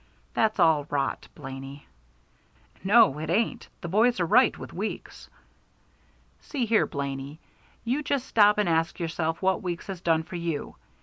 "That's all rot, Blaney." "No, it ain't. The boys are right with Weeks." "See here, Blaney. You just stop and ask yourself what Weeks has done for you.